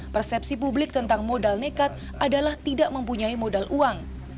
persepsi publik tentang modal nekat adalah tidak mempunyai modal uang